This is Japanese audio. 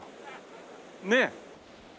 ねえ？